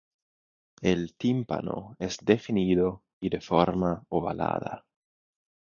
El tímpano es definido y de forma ovalada.